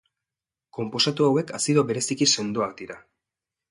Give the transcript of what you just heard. Konposatu hauek azido bereziki sendoak dira.